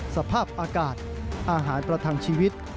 สภาพอากาศอาหารประทังชีวิต